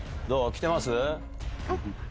きてます？